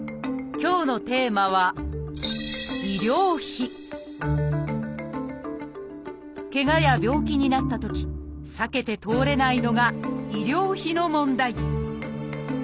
今日のテーマはけがや病気になったとき避けて通れないのが医療費の問題